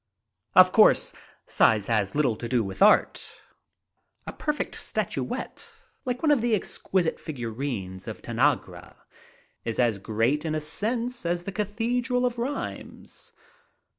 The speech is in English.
Of course, size has little to do with art. A perfect statuette like one of the exquisite figurines of Tanagra is as great in a sense as the cathedral of Rheims.